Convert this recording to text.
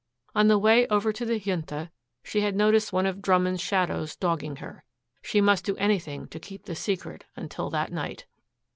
On the way over to the Junta, she had noticed one of Drummond's shadows dogging her. She must do anything to keep the secret until that night.